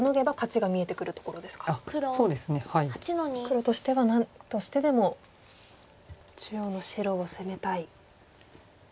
黒としては何としてでも中央の白を攻めたい。